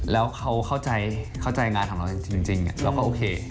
แล้วเขาเข้าใจงานของเราจริงเราก็โอเค